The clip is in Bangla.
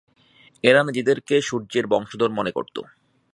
এরা নিজেদেরকে সূর্যের বংশধর মনে করত।